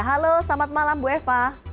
halo selamat malam bu eva